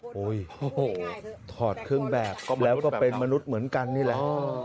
โอ้โหถอดเครื่องแบบแล้วก็เป็นมนุษย์เหมือนกันนี่แหละ